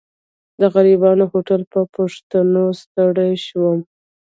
د غريبانه هوټل په پوښتنه ستړی شوم.